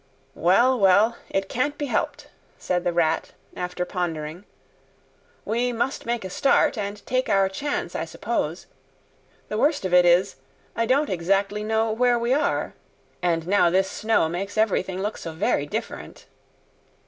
"Well, well, it can't be helped," said the Rat, after pondering. "We must make a start, and take our chance, I suppose. The worst of it is, I don't exactly know where we are. And now this snow makes everything look so very different."